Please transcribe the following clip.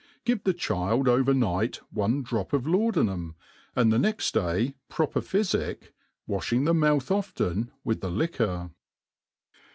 Give the child over*. right one drop of laudanum, and the next day proper p^yfic, wafhing the mouth often with the liquor.